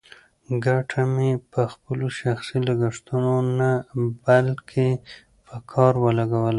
ګټه مې په خپلو شخصي لګښتونو نه، بلکې په کار ولګوله.